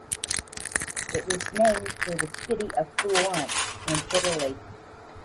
It was named for the city of Florence in Italy.